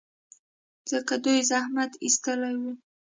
ځکه دوی زحمت ایستلی و.